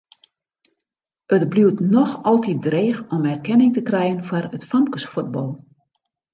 It bliuwt noch altyd dreech om erkenning te krijen foar it famkesfuotbal.